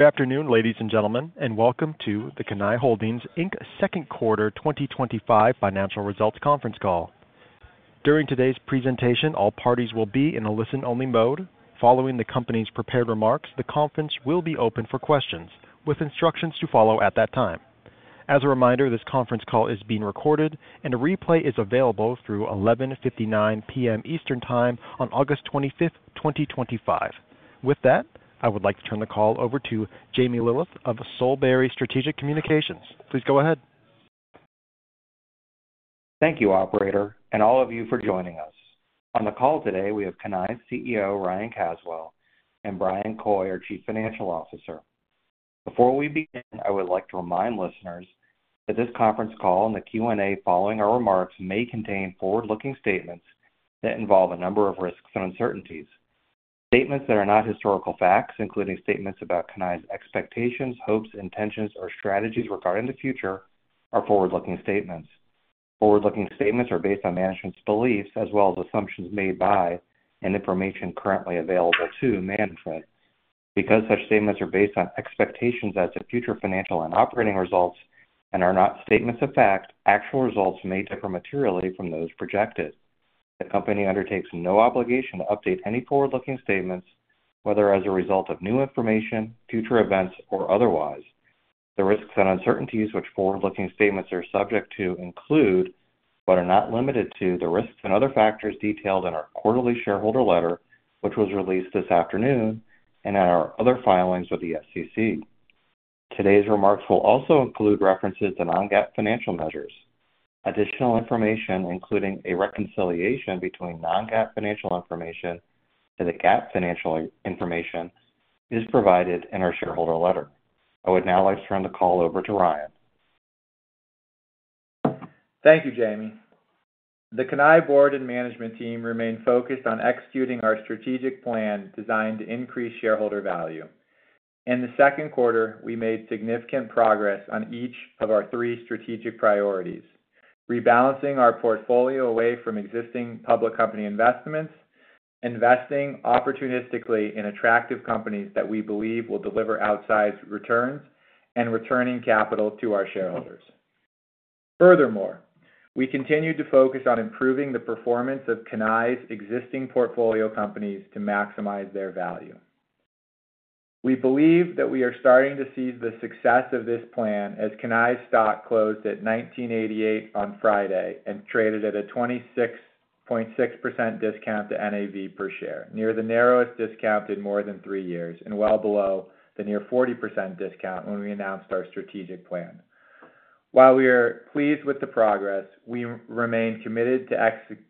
Good afternoon, ladies and gentlemen, and welcome to the Cannae Holdings Inc. Second Quarter 2025 Financial Results Conference Call. During today's presentation, all parties will be in a listen-only mode. Following the company's prepared remarks, the conference will be open for questions, with instructions to follow at that time. As a reminder, this conference call is being recorded, and a replay is available through 11:59 P.M. Eastern Time on August 25, 2025. With that, I would like to turn the call over to Jamie Lillis of Solebury Strategic Communications. Please go ahead. Thank you, Operator, and all of you for joining us. On the call today, we have Cannae's CEO, Ryan Caswell, and Bryan Coy, our Chief Financial Officer. Before we begin, I would like to remind listeners that this conference call and the Q&A following our remarks may contain forward-looking statements that involve a number of risks and uncertainties. Statements that are not historical facts, including statements about Cannae's expectations, hopes, intentions, or strategies regarding the future, are forward-looking statements. Forward-looking statements are based on management's beliefs, as well as assumptions made by, and information currently available to management. Because such statements are based on expectations as to future financial and operating results and are not statements of fact, actual results may differ materially from those projected. The company undertakes no obligation to update any forward-looking statements, whether as a result of new information, future events, or otherwise. The risks and uncertainties which forward-looking statements are subject to include, but are not limited to, the risks and other factors detailed in our quarterly shareholder letter, which was released this afternoon, and in our other filings with the SEC. Today's remarks will also include references to non-GAAP financial measures. Additional information, including a reconciliation between non-GAAP financial information and the GAAP financial information, is provided in our shareholder letter. I would now like to turn the call over to Ryan. Thank you, Jamie. The Cannae Board and Management Team remain focused on executing our strategic plan designed to increase shareholder value. In the second quarter, we made significant progress on each of our three strategic priorities: rebalancing our portfolio away from existing public company investments, investing opportunistically in attractive companies that we believe will deliver outsized returns, and returning capital to our shareholders. Furthermore, we continued to focus on improving the performance of Cannae's existing portfolio companies to maximize their value. We believe that we are starting to see the success of this plan as Cannae's stock closed at $19.88 on Friday and traded at a 26.6% discount to NAV per share, near the narrowest discount in more than three years and well below the near 40% discount when we announced our strategic plan. While we are pleased with the progress, we remain committed to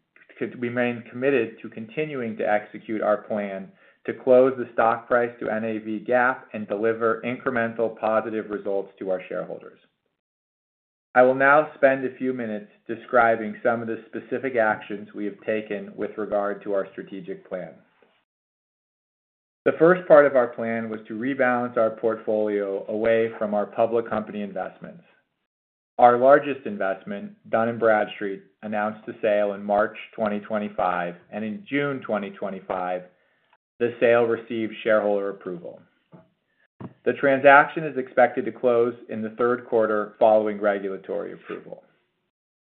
continuing to execute our plan to close the stock price to NAV GAAP and deliver incremental positive results to our shareholders. I will now spend a few minutes describing some of the specific actions we have taken with regard to our strategic plan. The first part of our plan was to rebalance our portfolio away from our public company investments. Our largest investment, Dun & Bradstreet, announced a sale in March 2025, and in June 2025, the sale received shareholder approval. The transaction is expected to close in the third quarter following regulatory approval.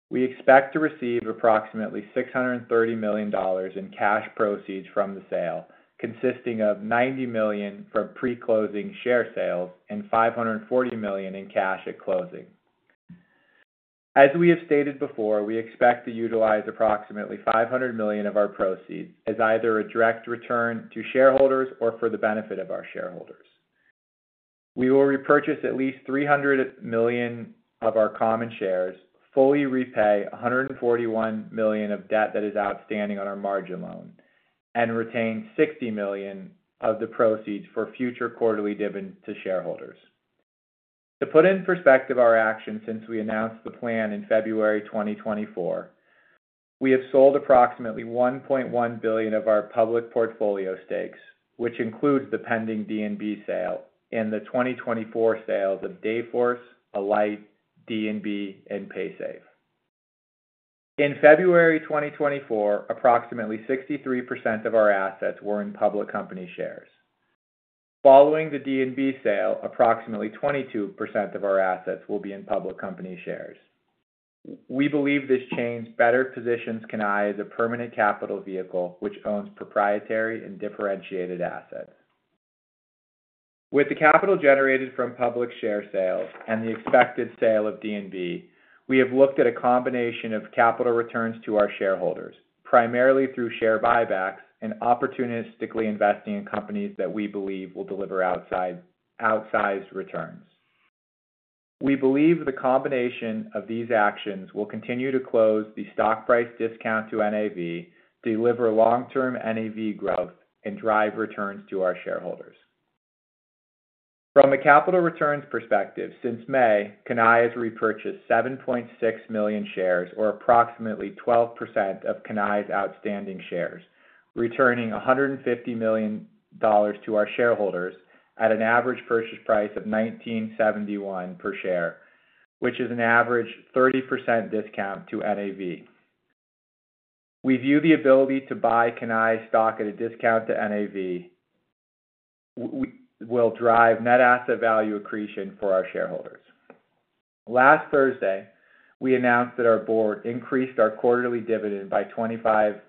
We expect to receive approximately $630 million in cash proceeds from the sale, consisting of $90 million from pre-closing share sales and $540 million in cash at closing. As we have stated before, we expect to utilize approximately $500 million of our proceeds as either a direct return to shareholders or for the benefit of our shareholders. We will repurchase at least $300 million of our common shares, fully repay $141 million of debt that is outstanding on our margin loan, and retain $60 million of the proceeds for future quarterly dividends to shareholders. To put in perspective our actions since we announced the plan in February 2024, we have sold approximately $1.1 billion of our public portfolio stakes, which includes the pending DNB sale and the 2024 sales of Dayforce, Alight, DNB, and Paysafe. In February 2024, approximately 63% of our assets were in public company shares. Following the DNB sale, approximately 22% of our assets will be in public company shares. We believe this change better positions Cannae as a permanent capital vehicle, which owns proprietary and differentiated assets. With the capital generated from public share sales and the expected sale of DNB, we have looked at a combination of capital returns to our shareholders, primarily through share buybacks and opportunistically investing in companies that we believe will deliver outsized returns. We believe the combination of these actions will continue to close the stock price discount to NAV, deliver long-term NAV growth, and drive returns to our shareholders. From a capital returns perspective, since May, Cannae has repurchased 7.6 million shares, or approximately 12% of Cannae's outstanding shares, returning $150 million to our shareholders at an average purchase price of $19.71 per share, which is an average 30% discount to NAV. We view the ability to buy Cannae stock at a discount to NAV will drive net asset value accretion for our shareholders. Last Thursday, we announced that our board increased our quarterly dividend by 25%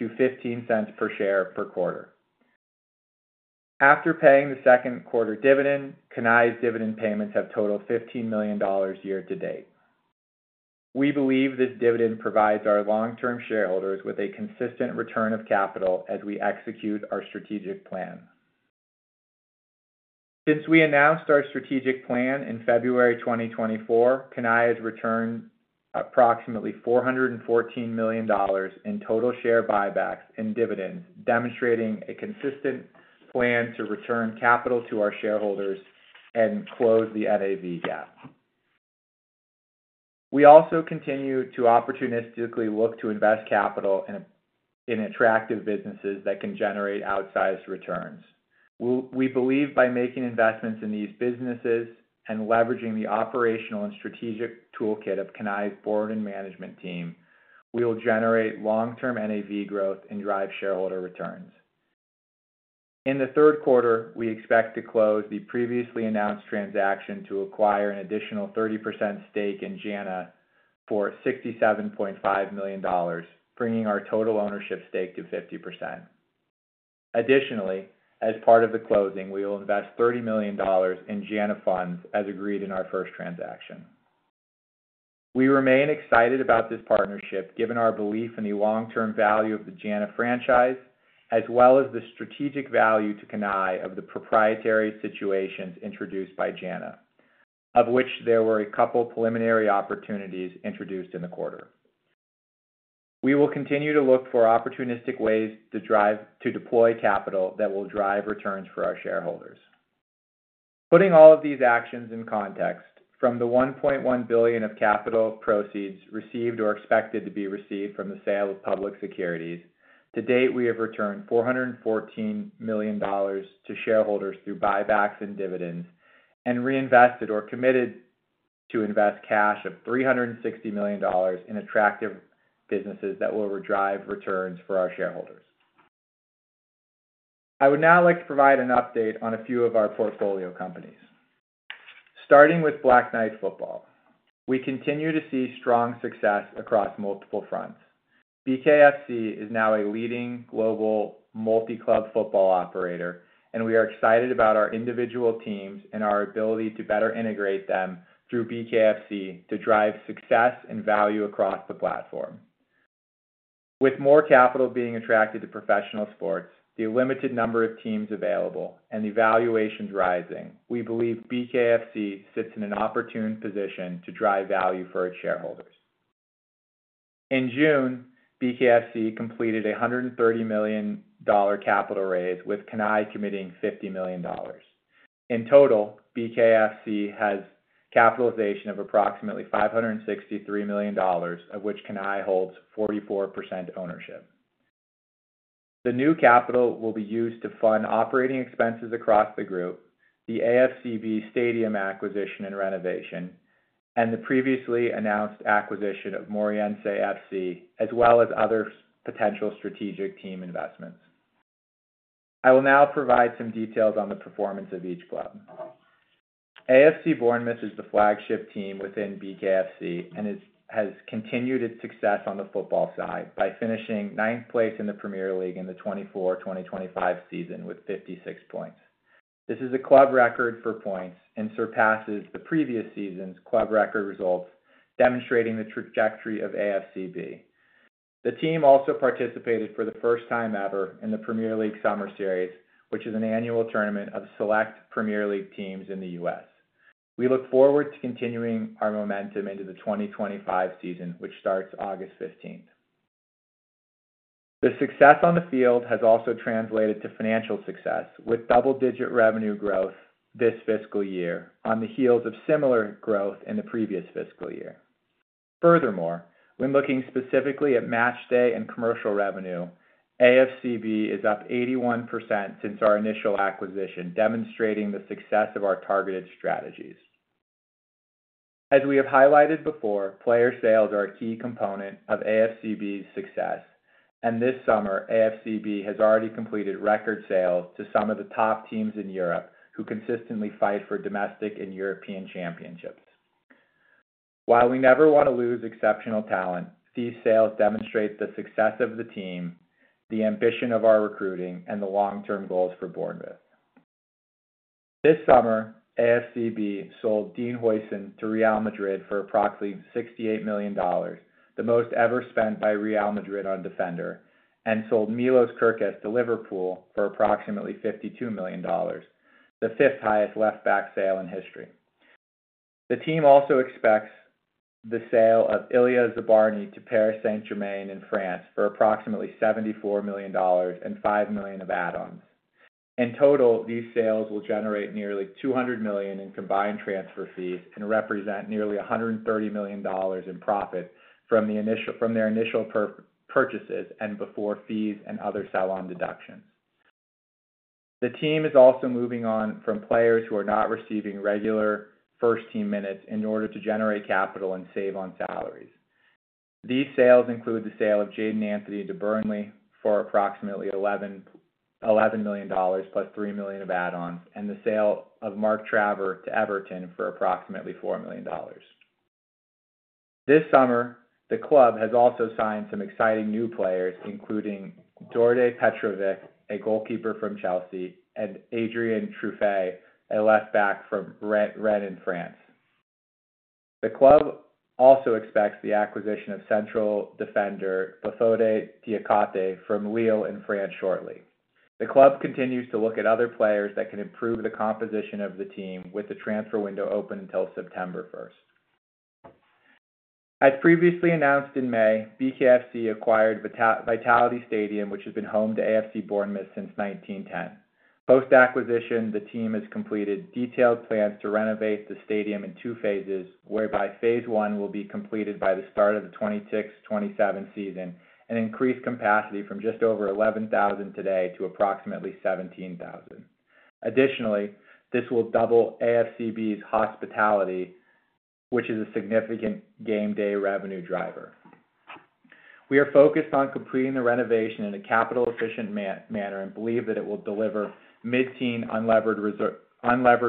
to $0.15 per share per quarter. After paying the second quarter dividend, Cannae's dividend payments have totaled $15 million year to date. We believe this dividend provides our long-term shareholders with a consistent return of capital as we execute our strategic plan. Since we announced our strategic plan in February 2024, Cannae has returned approximately $414 million in total share buybacks and dividends, demonstrating a consistent plan to return capital to our shareholders and close the NAV gap. We also continue to opportunistically look to invest capital in attractive businesses that can generate outsized returns. We believe by making investments in these businesses and leveraging the operational and strategic toolkit of Cannae's board and management team, we will generate long-term NAV growth and drive shareholder returns. In the third quarter, we expect to close the previously announced transaction to acquire an additional 30% stake in JANA for $67.5 million, bringing our total ownership stake to 50%. Additionally, as part of the closing, we will invest $30 million in JANA funds as agreed in our first transaction. We remain excited about this partnership given our belief in the long-term value of the JANA franchise, as well as the strategic value to Cannae of the proprietary situations introduced by JANA, of which there were a couple preliminary opportunities introduced in the quarter. We will continue to look for opportunistic ways to deploy capital that will drive returns for our shareholders. Putting all of these actions in context, from the $1.1 billion of capital proceeds received or expected to be received from the sale of public securities, to date we have returned $414 million to shareholders through buybacks and dividends and reinvested or committed to invest cash of $360 million in attractive businesses that will drive returns for our shareholders. I would now like to provide an update on a few of our portfolio companies. Starting with Black Knight Football Club, we continue to see strong success across multiple fronts. BKFC is now a leading global multi-club football operator, and we are excited about our individual teams and our ability to better integrate them through BKFC to drive success and value across the platform. With more capital being attracted to professional sports, the limited number of teams available, and the valuations rising, we believe BKFC sits in an opportune position to drive value for its shareholders. In June, BKFC completed a $130 million capital raise, with Cannae committing $50 million. In total, BKFC has a capitalization of approximately $563 million, of which Cannae holds 44% ownership. The new capital will be used to fund operating expenses across the group, the AFC Bournemouth Stadium acquisition and renovation, and the previously announced acquisition of Moreirense FC, as well as other potential strategic team investments. I will now provide some details on the performance of each club. AFC Bournemouth is the flagship team within BKFC and has continued its success on the football side by finishing ninth place in the Premier League in the 2024-2025 season with 56 points. This is a club record for points and surpasses the previous season's club record results, demonstrating the trajectory of AFCB. The team also participated for the first time ever in the Premier League Summer Series, which is an annual tournament of select Premier League teams in the U.S. We look forward to continuing our momentum into the 2025 season, which starts August 15th. The success on the field has also translated to financial success, with double-digit revenue growth this fiscal year on the heels of similar growth in the previous fiscal year. Furthermore, when looking specifically at match day and commercial revenue, AFCB is up 81% since our initial acquisition, demonstrating the success of our targeted strategies. As we have highlighted before, player sales are a key component of AFCB's success, and this summer, AFCB has already completed record sales to some of the top teams in Europe who consistently fight for domestic and European championships. While we never want to lose exceptional talent, these sales demonstrate the success of the team, the ambition of our recruiting, and the long-term goals for Bournemouth. This summer, AFCB sold Dean Huijsen to Real Madrid for approximately $68 million, the most ever spent by Real Madrid on a defender, and sold Milos Kerkez to Liverpool for approximately $52 million, the fifth highest left-back sale in history. The team also expects the sale of Illia Zabarnyi to Paris Saint-Germain in France for approximately $74 million and $5 million of add-ons. In total, these sales will generate nearly $200 million in combined transfer fees and represent nearly $130 million in profit from their initial purchases and before fees and other sell-on deductions. The team is also moving on from players who are not receiving regular first-team minutes in order to generate capital and save on salaries. These sales include the sale of Jaden Anthony to Burnley for approximately $11 million, +$3 million of add-ons, and the sale of Mark Travers to Everton for approximately $4 million. This summer, the club has also signed some exciting new players, including Đorđe Petrović, a goalkeeper from Chelsea, and Adrien Truffert, a left-back from Rennes in France. The club also expects the acquisition of central defender Bafodé Diakité from Lille in France shortly. The club continues to look at other players that can improve the composition of the team, with the transfer window open until September 1. As previously announced in May, BKFC acquired Vitality Stadium, which has been home to AFC Bournemouth since 1910. Post-acquisition, the team has completed detailed plans to renovate the stadium in two phases, whereby phase one will be completed by the start of the 2026-2027 season and increase capacity from just over 11,000 today to approximately 17,000. Additionally, this will double AFCB's hospitality, which is a significant game-day revenue driver. We are focused on completing the renovation in a capital-efficient manner and believe that it will deliver mid-season unlevered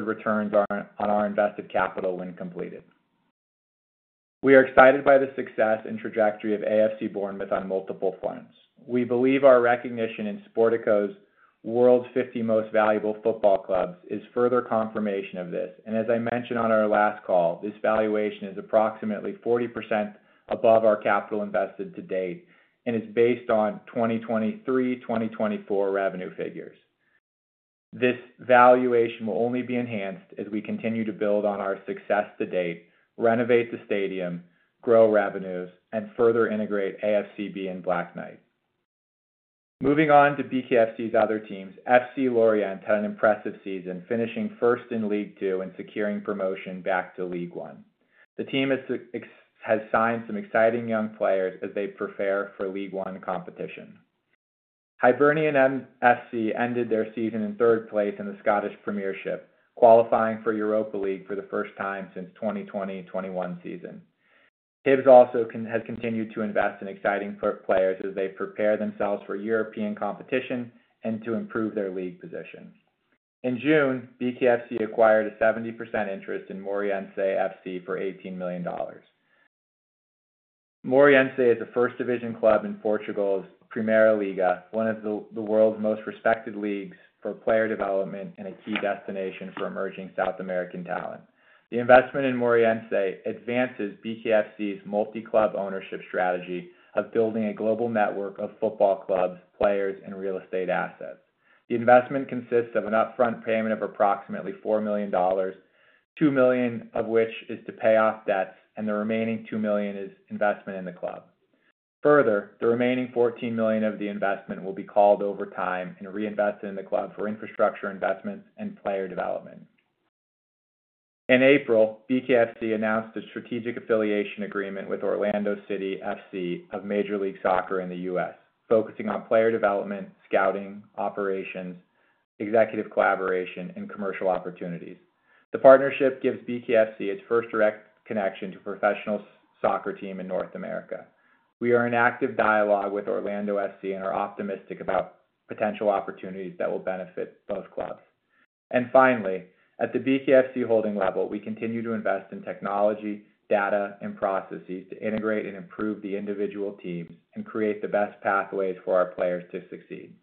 returns on our invested capital when completed. We are excited by the success and trajectory of AFC Bournemouth on multiple fronts. We believe our recognition in Sportico's World's 50 Most Valuable Football Clubs is further confirmation of this, and as I mentioned on our last call, this valuation is approximately 40% above our capital invested to date and is based on 2023-2024 revenue figures. This valuation will only be enhanced as we continue to build on our success to date, renovate the stadium, grow revenues, and further integrate AFCB and Black Knight. Moving on to BKFC's other teams, FC Lorient had an impressive season, finishing first in League Two and securing promotion back to League One. The team has signed some exciting young players as they prepare for League One competition. Hibernian FC ended their season in third place in the Scottish Premiership, qualifying for Europa League for the first time since the 2020-2021 season. Tibbs also has continued to invest in exciting players as they prepare themselves for European competition and to improve their league positions. In June, BKFC acquired a 70% interest in Moreirense F.C. for $18 million. Moreirense is a first-division club in Portugal's Primeira Liga, one of the world's most respected leagues for player development and a key destination for emerging South American talent. The investment in Moreirense advances BKFC's multi-club ownership strategy of building a global network of football clubs, players, and real estate assets. The investment consists of an upfront payment of approximately $4 million, $2 million of which is to pay off debts, and the remaining $2 million is investment in the club. Further, the remaining $14 million of the investment will be called over time and reinvested in the club for infrastructure investments and player development. In April, BKFC announced a strategic affiliation agreement with Orlando City FC of Major League Soccer in the U.S., focusing on player development, scouting, operations, executive collaboration, and commercial opportunities. The partnership gives BKFC its first direct connection to a professional soccer team in North America. We are in active dialogue with Orlando City FC and are optimistic about potential opportunities that will benefit both clubs. Finally, at the BKFC holding level, we continue to invest in technology, data, and processes to integrate and improve the individual team and create the best pathways for our players to succeed,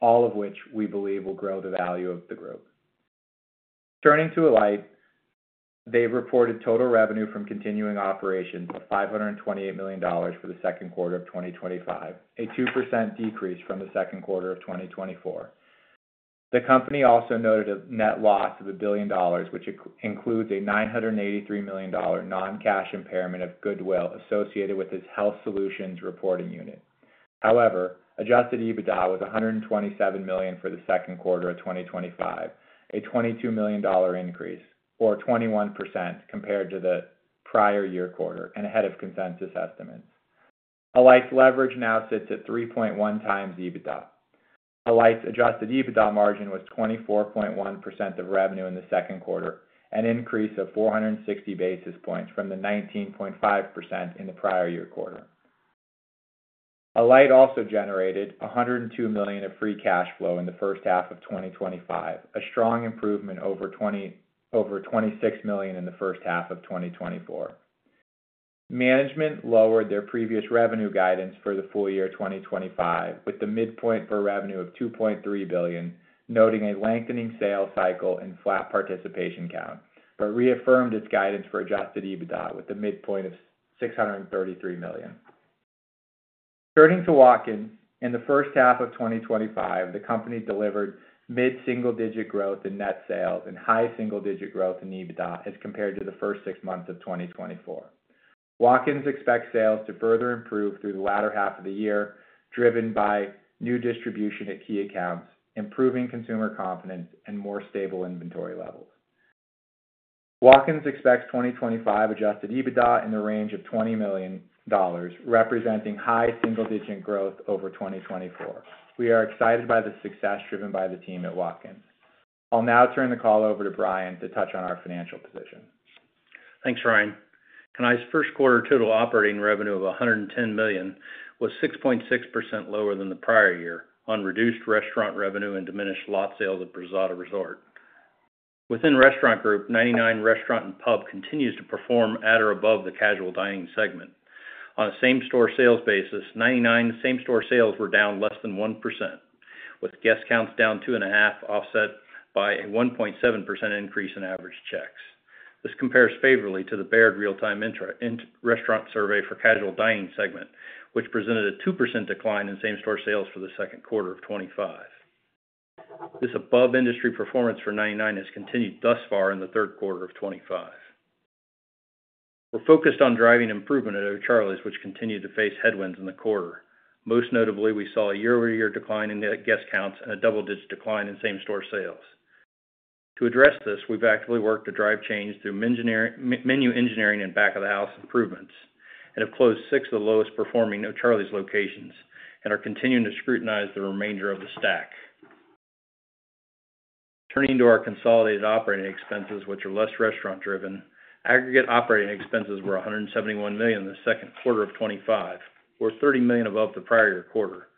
all of which we believe will grow the value of the group. Turning to Alight, they've reported total revenue from continuing operations of $528 million for the second quarter of 2025, a 2% decrease from the second quarter of 2024. The company also noted a net loss of $1 billion, which includes a $983 million non-cash impairment of goodwill associated with its Health Solutions Reporting Unit. However, adjusted EBITDA was $127 million for the second quarter of 2025, a $22 million increase, or 21% compared to the prior year quarter and ahead of consensus estimate. Alight's leverage now sits at 3.1x EBITDA. Alight's adjusted EBITDA margin was 24.1% of revenue in the second quarter, an increase of 460 basis points from the 19.5% in the prior year quarter. Alight also generated $102 million of free cash flow in the first half of 2025, a strong improvement over $26 million in the first half of 2024. Management lowered their previous revenue guidance for the full year 2025, with the midpoint for revenue of $2.3 billion, noting a lengthening sales cycle and flat participation count, but reaffirmed its guidance for adjusted EBITDA with the midpoint of $633 million. Turning to Walkins, in the first half of 2025, the company delivered mid-single-digit growth in net sales and high single-digit growth in EBITDA as compared to the first six months of 2024. Walkins expects sales to further improve through the latter half of the year, driven by new distribution at key accounts, improving consumer confidence, and more stable inventory levels. Walkins expects 2025 adjusted EBITDA in the range of $20 million, representing high single-digit growth over 2024. We are excited by the success driven by the team at Walkins. I'll now turn the call over to Bryan to touch on our financial position. Thanks, Ryan. Cannae's first quarter total operating revenue of $110 million was 6.6% lower than the prior year on reduced restaurant revenue and diminished lot sales at Brizzotto Resort. Within Restaurant Group, Ninety Nine Restaurant and Pub continues to perform at or above the casual dining segment. On a same-store sales basis, Ninety Nine same-store sales were down less than 1%, with guest counts down 2.5%, offset by a 1.7% increase in average checks. This compares favorably to the BEARD Real-Time Restaurant Survey for the casual dining segment, which presented a 2% decline in same-store sales for the second quarter of 2025. This above-industry performance for Ninety Nine has continued thus far in the third quarter of 2025. We're focused on driving improvement at O'Charley's, which continued to face headwinds in the quarter. Most notably, we saw a year-over-year decline in guest counts and a double-digit decline in same-store sales. To address this, we've actively worked to drive change through menu engineering and back-of-the-house improvements, and have closed six of the lowest performing O'Charley's locations and are continuing to scrutinize the remainder of the stack. Turning to our consolidated operating expenses, which are less restaurant-driven, aggregate operating expenses were $171 million in the second quarter of 2025, or $30 million above the prior year quarter.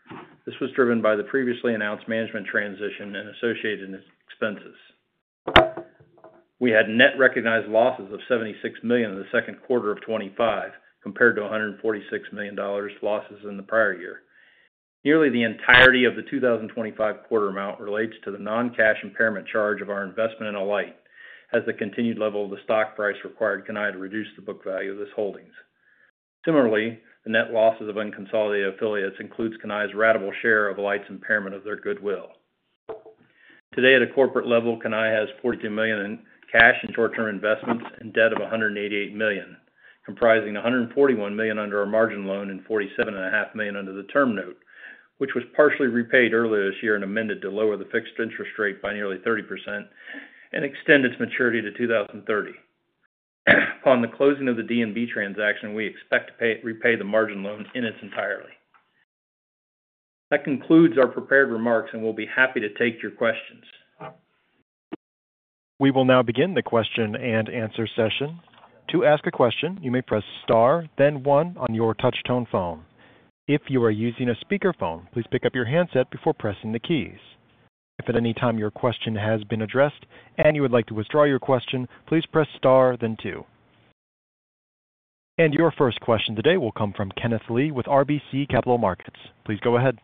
This was driven by the previously announced management transition and associated expenses. We had net recognized losses of $76 million in the second quarter of 2025 compared to $146 million losses in the prior year. Nearly the entirety of the 2025 quarter amount relates to the non-cash impairment charge of our investment in Alight, as the continued level of the stock price required Cannae to reduce the book value of its holdings. Similarly, the net losses of unconsolidated affiliates include Cannae's ratable share of Alight's impairment of their goodwill. Today, at a corporate level, Cannae has $42 million in cash and short-term investments and debt of $188 million, comprising $141 million under our margin loan and $47.5 million under the term note, which was partially repaid earlier this year and amended to lower the fixed interest rate by nearly 30% and extend its maturity to 2030. Upon the closing of the DNB transaction, we expect to repay the margin loan in its entirety. That concludes our prepared remarks, and we'll be happy to take your questions. We will now begin the question and answer session. To ask a question, you may press star, then one on your touch-tone phone. If you are using a speakerphone, please pick up your handset before pressing the keys. If at any time your question has been addressed and you would like to withdraw your question, please press star, then two. Your first question today will come from Kenneth Lee with RBC Capital Markets. Please go ahead.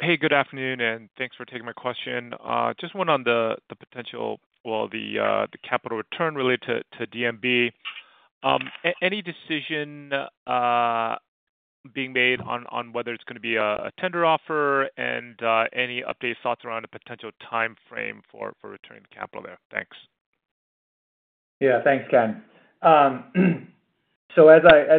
Hey, good afternoon, and thanks for taking my question. Just one on the potential, the capital return related to DNB. Any decision being made on whether it's going to be a tender offer, and any updated thoughts around a potential timeframe for returning the capital there? Thanks. Yeah, thanks, Ken. As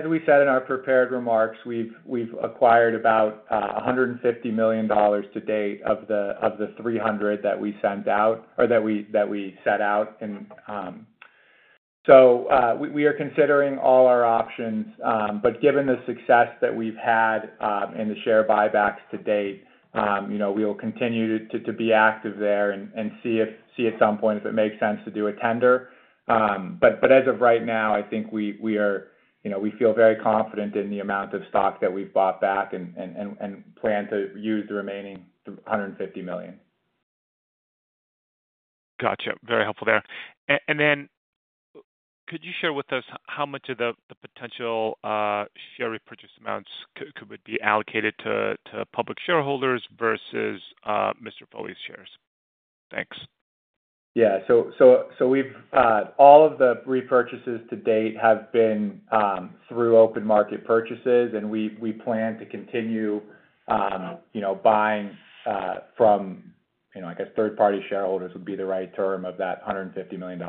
we said in our prepared remarks, we've acquired about $150 million to date of the $300 million that we set out. We are considering all our options, but given the success that we've had and the share buybacks to date, you know we'll continue to be active there and see at some point if it makes sense to do a tender. As of right now, I think we feel very confident in the amount of stock that we've bought back and plan to use the remaining $150 million. Gotcha. Very helpful there. Could you share with us how much of the potential share repurchase amounts could be allocated to public shareholders versus Mr. Foley's shares? Thanks. Yeah, all of the repurchases to date have been through open market purchases, and we plan to continue buying from, you know, I guess third-party shareholders would be the right term of that $150 million.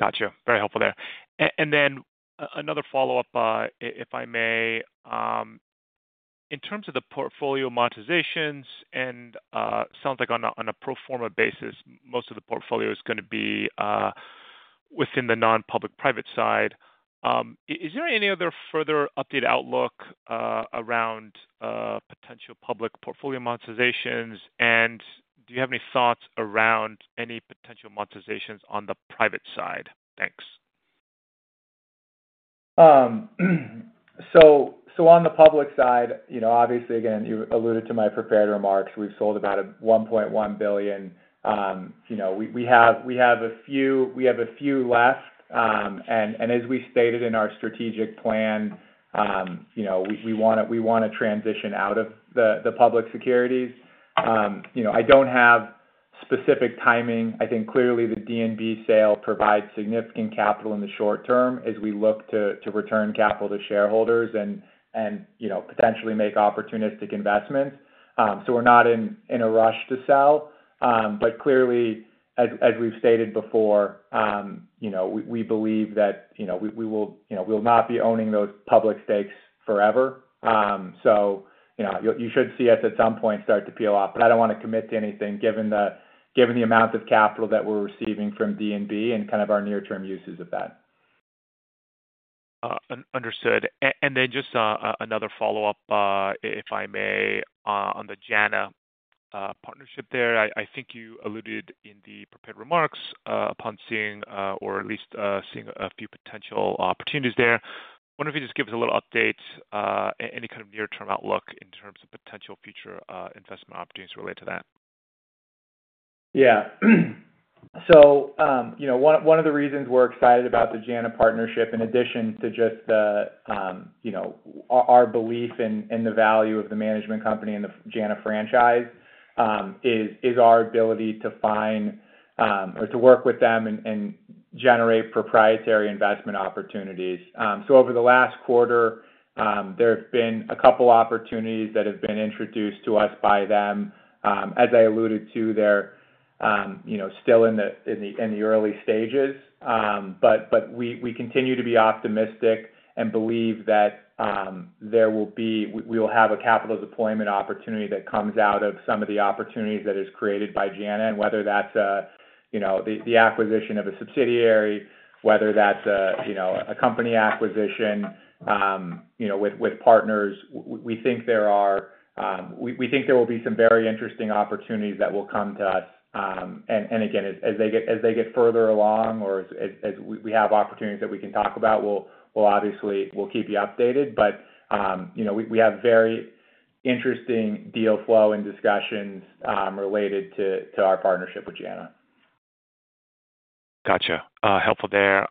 Gotcha. Very helpful there. In terms of the portfolio monetizations, it sounds like on a pro forma basis, most of the portfolio is going to be within the non-public private side. Is there any other further updated outlook around potential public portfolio monetizations, and do you have any thoughts around any potential monetizations on the private side? Thanks. On the public side, obviously, again, you alluded to my prepared remarks. We've sold about $1.1 billion. We have a few left, and as we stated in our strategic plan, we want to transition out of the public securities. I don't have specific timing. I think clearly the DNB sale provides significant capital in the short term as we look to return capital to shareholders and potentially make opportunistic investments. We're not in a rush to sell, but clearly, as we've stated before, we believe that we'll not be owning those public stakes forever. You should see us at some point start to peel off, but I don't want to commit to anything given the amount of capital that we're receiving from DNB and kind of our near-term uses of that. Understood. Just another follow-up, if I may, on the JANA Partners partnership there. I think you alluded in the prepared remarks to seeing, or at least seeing a few potential opportunities there. I wonder if you could just give us a little update, any kind of near-term outlook in terms of potential future investment opportunities related to that. Yeah. One of the reasons we're excited about the JANA partnership, in addition to just our belief in the value of the management company and the JANA franchise, is our ability to find or to work with them and generate proprietary investment opportunities. Over the last quarter, there have been a couple opportunities that have been introduced to us by them. As I alluded to, they're still in the early stages, but we continue to be optimistic and believe that we will have a capital deployment opportunity that comes out of some of the opportunities that are created by JANA, and whether that's the acquisition of a subsidiary, whether that's a company acquisition with partners, we think there will be some very interesting opportunities that will come to us. As they get further along or as we have opportunities that we can talk about, we'll obviously keep you updated, but we have very interesting deal flow and discussions related to our partnership with JANA. Gotcha. Helpful there.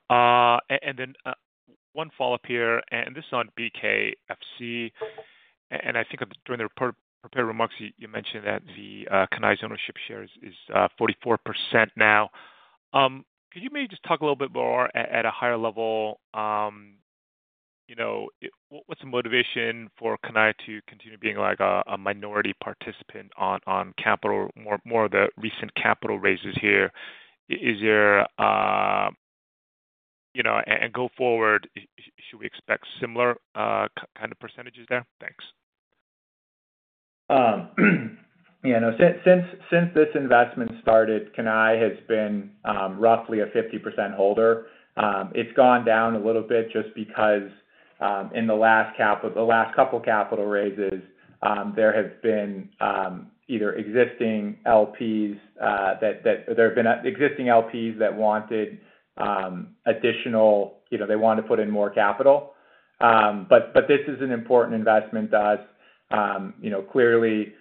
One follow-up here, and this is on BKFC. I think during the prepared remarks, you mentioned that Cannae's ownership share is 44% now. Could you maybe just talk a little bit more at a higher level? You know, what's the motivation for Cannae to continue being like a minority participant on capital, more of the recent capital raises here? Is there, you know, and go forward, should we expect similar kind of percentages there? Thanks. Yeah, no, since this investment started, Cannae has been roughly a 50% holder. It's gone down a little bit just because in the last couple capital raises, there have been either existing LPs that wanted additional, you know, they wanted to put in more capital. This is an important investment to us. Clearly,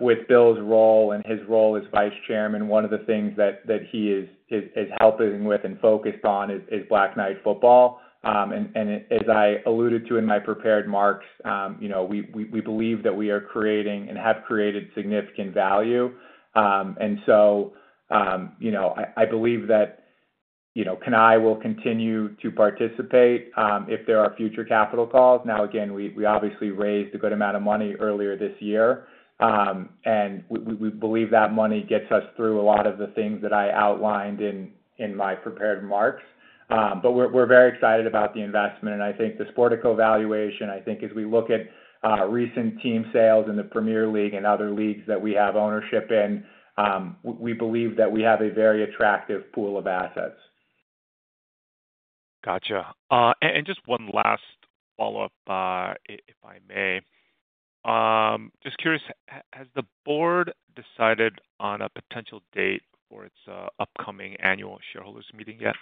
with Bill's role and his role as Vice Chairman, one of the things that he is helping with and focused on is Black Knight Football Club. As I alluded to in my prepared marks, we believe that we are creating and have created significant value. I believe that Cannae will continue to participate if there are future capital calls. Now, we obviously raised a good amount of money earlier this year, and we believe that money gets us through a lot of the things that I outlined in my prepared remarks. We're very excited about the investment, and I think the Sportico valuation, I think as we look at recent team sales in the Premier League and other leagues that we have ownership in, we believe that we have a very attractive pool of assets. Gotcha. Just one last follow-up, if I may. Just curious, has the board decided on a potential date for its upcoming annual shareholders' meeting yet?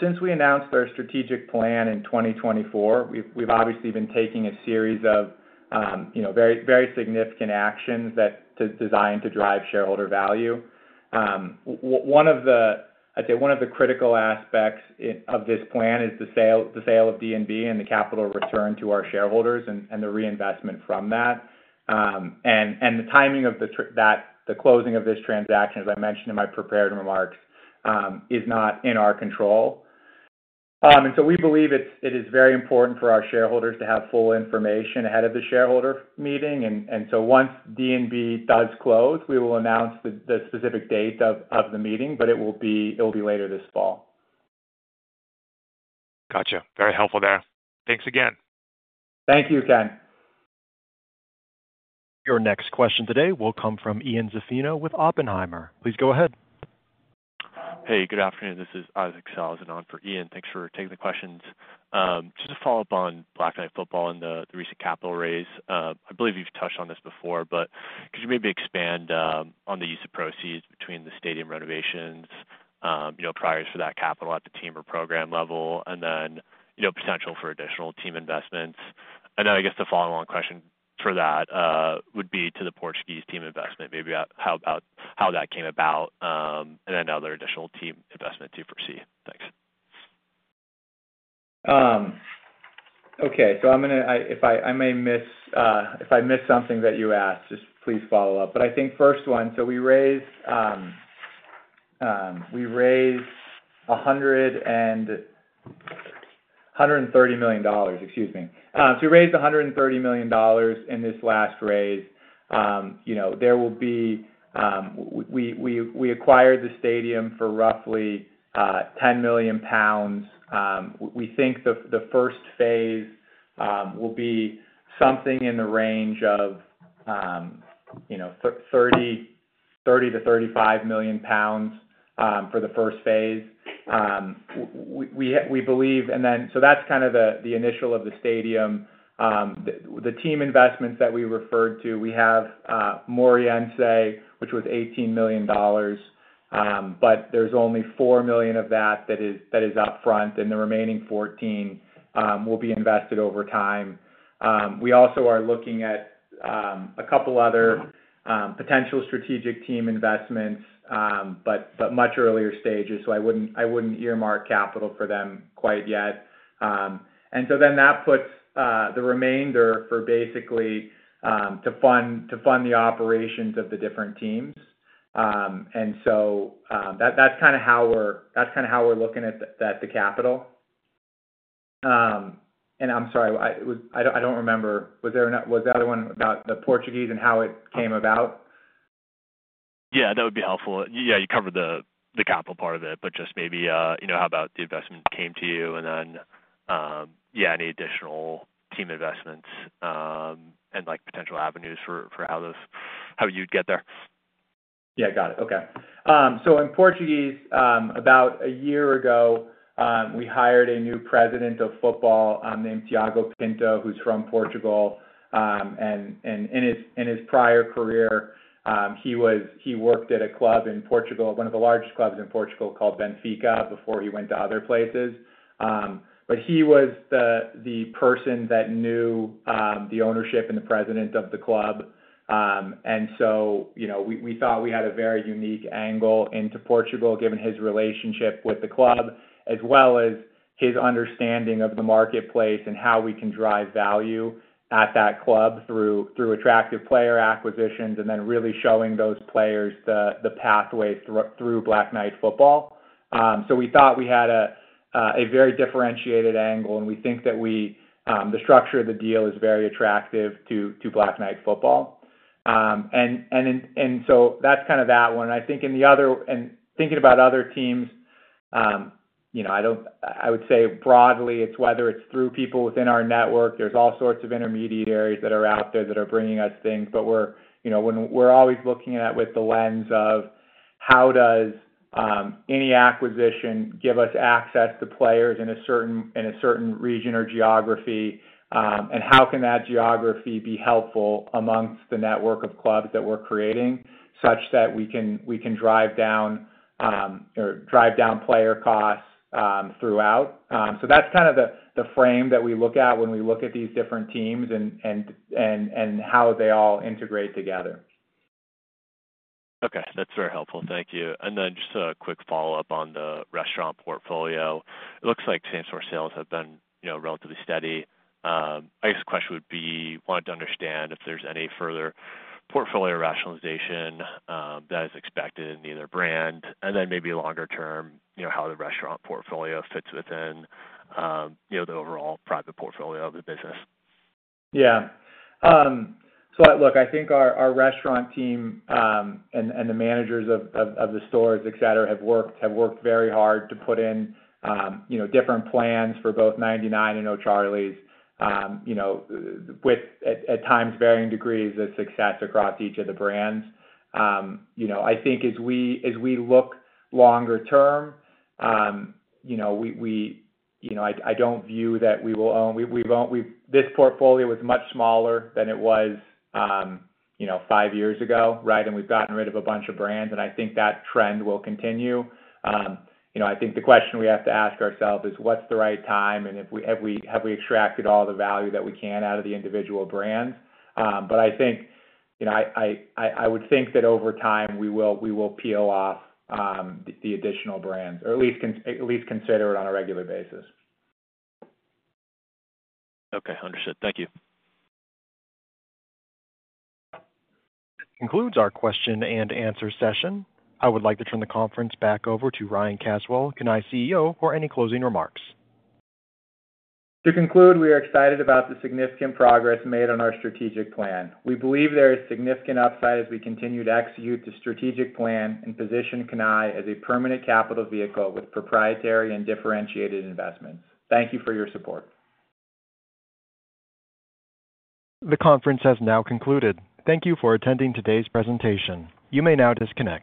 Since we announced our strategic plan in 2024, we've obviously been taking a series of very significant actions designed to drive shareholder value. One of the critical aspects of this plan is the sale of Dun & Bradstreet and the capital return to our shareholders and the reinvestment from that. The timing of the closing of this transaction, as I mentioned in my prepared remarks, is not in our control. We believe it is very important for our shareholders to have full information ahead of the shareholder meeting. Once DNB does close, we will announce the specific date of the meeting, but it will be later this fall. Gotcha. Very helpful there. Thanks again. Thank you, Ken. Your next question today will come from Ian Zaffino with Oppenheimer. Please go ahead. Hey, good afternoon. This is Isaac Sellhausen. I'm for Ian. Thanks for taking the questions. Just to follow up on Black Knight Football Club and the recent capital raise, I believe you've touched on this before, but could you maybe expand on the use of proceeds between the stadium renovations, you know, priors for that capital at the team or program level, and then, you know, potential for additional team investments? I guess the follow-on question for that would be to the Portuguese team investment, maybe how that came about, and then other additional team investments you foresee. Thanks. Okay. If I miss something that you asked, just please follow up. I think first one, we raised $130 million, excuse me, we raised $130 million in this last raise. We acquired the stadium for roughly 10 million pounds. We think the first phase will be something in the range of 30 million - 35 million pounds for the first phase, we believe. That is kind of the initial of the stadium. The team investments that we referred to, we have Moreirense FC, which was $18 million, but there's only $4 million of that that is upfront, and the remaining $14 million will be invested over time. We also are looking at a couple other potential strategic team investments, but much earlier stages, so I wouldn't earmark capital for them quite yet. That puts the remainder for basically to fund the operations of the different teams. That is kind of how we're looking at the capital. I'm sorry, I don't remember, was there another one about the Portuguese and how it came about? Yeah, that would be helpful. You covered the capital part of it, but just maybe, you know, how about the investment came to you and then, yeah, any additional team investments and like potential avenues for how you'd get there? Yeah, got it. Okay. In Portuguese, about a year ago, we hired a new President of Football named Thiago Pinto, who's from Portugal. In his prior career, he worked at a club in Portugal, one of the largest clubs in Portugal called Benfica before he went to other places. He was the person that knew the ownership and the President of the club. We thought we had a very unique angle into Portugal, given his relationship with the club, as well as his understanding of the marketplace and how we can drive value at that club through attractive player acquisitions and then really showing those players the pathway through Black Knight Football Club. We thought we had a very differentiated angle, and we think that the structure of the deal is very attractive to Black Knight Football Club. That's kind of that one. I think in the other, and thinking about other teams, I would say broadly, it's whether it's through people within our network. There are all sorts of intermediaries that are out there that are bringing us things. We're always looking at it with the lens of how does any acquisition give us access to players in a certain region or geography, and how can that geography be helpful amongst the network of clubs that we're creating, such that we can drive down player costs throughout. That's kind of the frame that we look at when we look at these different teams and how they all integrate together. Okay, that's very helpful. Thank you. Just a quick follow-up on the restaurant portfolio. It looks like same-store sales have been relatively steady. I guess the question would be, wanted to understand if there's any further portfolio rationalization that is expected in either brand, and then maybe longer term, how the restaurant portfolio fits within the overall private portfolio of the business? I think our restaurant team and the managers of the stores, etc., have worked very hard to put in different plans for both Ninety Nine Restaurant and Pub and O'Charley's, with at times varying degrees of success across each of the brands. I think as we look longer term, I don't view that we will own, we've owned, this portfolio was much smaller than it was five years ago, right? We've gotten rid of a bunch of brands, and I think that trend will continue. I think the question we have to ask ourselves is what's the right time, and have we extracted all the value that we can out of the individual brands? I would think that over time we will peel off the additional brands, or at least consider it on a regular basis. Okay, understood. Thank you. That concludes our question and answer session. I would like to turn the conference back over to Ryan Caswell, Cannae's CEO, for any closing remarks. To conclude, we are excited about the significant progress made on our strategic plan. We believe there is significant upside as we continue to execute the strategic plan and position Cannae as a permanent capital vehicle with proprietary and differentiated investments. Thank you for your support. The conference has now concluded. Thank you for attending today's presentation. You may now disconnect.